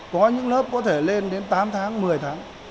có những lớp có thể lên đến tám tháng một mươi tháng